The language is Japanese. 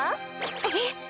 えっ？